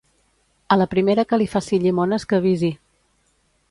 A la primera que li faci llimones que avisi